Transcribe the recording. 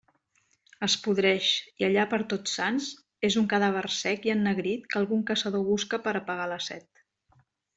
Es podreix, i allà per Tots Sants és un cadàver sec i ennegrit que algun caçador busca per a apagar la set.